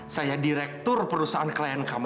saya direktur perusahaan klien kami